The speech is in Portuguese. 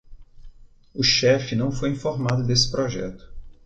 O chefe não foi informado desse projeto